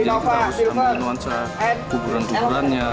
jadi kita harus tambahin nuansa kuburan kuburannya